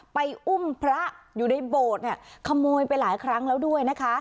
อุ้มพระอยู่ในโบสถ์เนี่ยขโมยไปหลายครั้งแล้วด้วยนะคะ